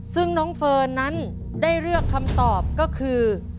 ซึ่งน้องเฟิร์นนั้นได้เลือกคำตอบก็คือ